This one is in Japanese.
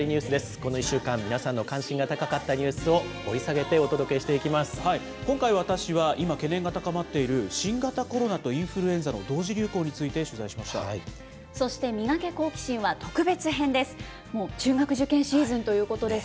この１週間、皆さんの関心が高かったニュースを掘り下げ今回、私は今、懸念が高まっている新型コロナとインフルエンザの同時流行についそしてミガケ、好奇心！は特別編です。